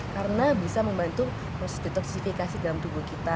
karena bisa membantu detoxifikasi dalam tubuh kita